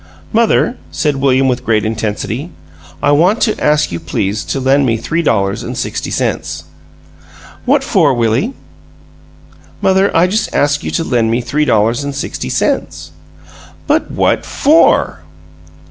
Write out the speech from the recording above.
"Mother," said William, with great intensity, "I want to ask you please to lend me three dollars and sixty cents." "What for, Willie?" "Mother, I just ask you to lend me three dollars and sixty cents." "But what FOR?"